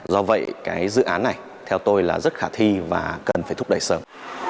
do vậy cái dự án này theo tôi là rất khả thi và cần phải thúc đẩy sớm